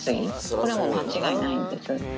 これはもう、間違いないんです。